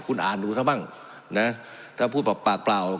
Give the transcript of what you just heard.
คุณอ่านดูซะบ้างนะถ้าพูดแบบปากเปล่า